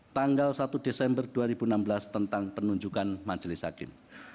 tanggal satu desember dua ribu enam belas tentang penunjukan majelis hakim